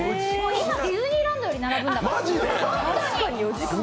今、ディズニーランドより並ぶんだから、ホントに。